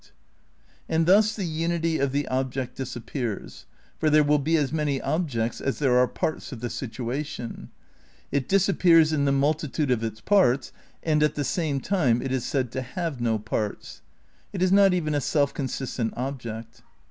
98 THE NEW IDEALISM m And thus the unity of the object disappears, for there will be as many objects as there are parts of the situa tion. It disappears in the multitude of its parts and at the same time it is said to have no parts. It is not even a self consistent object.